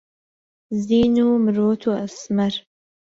زین و مرۆت و ئەسمەر